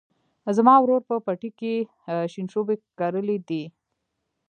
زما ورور په پټي کې شینشوبي کرلي دي.